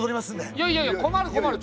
いやいやいや困る困る。